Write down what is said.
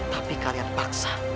tapi kalian paksa